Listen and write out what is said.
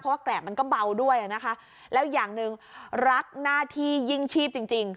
เพราะว่าแกรบมันก็เบาด้วยนะคะแล้วอย่างหนึ่งรักหน้าที่ยิ่งชีพจริงจริง